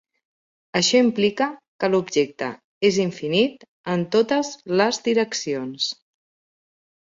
Això implica que l'objecte és infinit en totes les direccions.